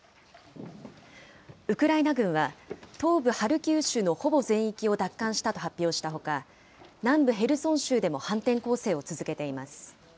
ウクライナ軍は、東部ハルキウ州のほぼ全域を奪還したと発表したほか、南部ヘルソン州でも反転攻勢を続けています。